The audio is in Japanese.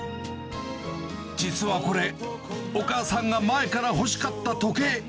実はこれ、お母さんが前から欲しかった時計。